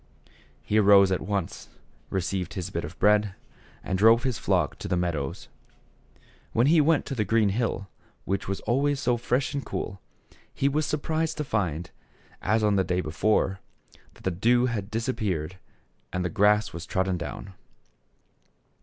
He arose at once, received his bit of bread, and drove his flock to the meadows. When he went up to the green hill, which was always so fresh and cool, he was surprised to find, as on the day before, that the dew had disappeared and the grass was trodden down.